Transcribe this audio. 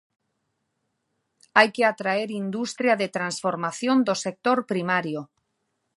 Hai que atraer industria de transformación do sector primario.